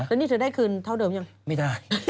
แล้วนี่เธอได้คืนเท่าเดิมยังไม่ได้